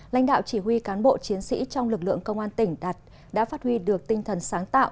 lãnh đạo chỉ huy cán bộ chiến sĩ trong lực lượng công an tỉnh đã phát huy được tinh thần sáng tạo